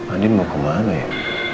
andien mau kemana ya